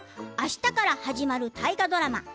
あしたから始まる大河ドラマ